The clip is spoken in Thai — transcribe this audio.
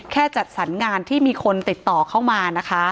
แค่จัดสรรงานที่มีคนติดต่อเข้ามา